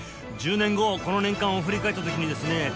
１０年後この年鑑を振り返った時にですね